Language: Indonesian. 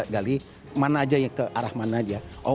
gali mana aja yang ke arah mana aja